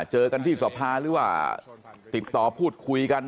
เจอกันที่สภาหรือว่าติดต่อพูดคุยกัน